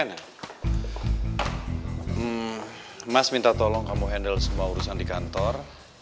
hmm mas minta tolong kamu handle semua urusan di kantor